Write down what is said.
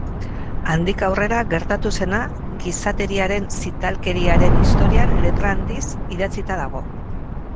Handik aurrera gertatu zena gizateriaren zitalkeriaren historian letra handiz idatzita dago.